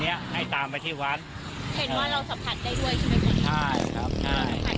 นี่หมายถึงตอนนั้นยังไงบ้างค่ะ